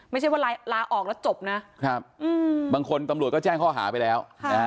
ไม่ใช่ว่าลาออกแล้วจบนะบางคนตำรวจก็แจ้งข้อหาไปแล้ว